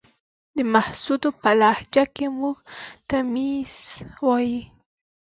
د محسودو په لهجه کې موږ ته ميژ وايې.